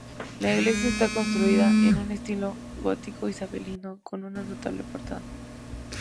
La iglesia está construida en un estilo gótico isabelino, con una notable portada.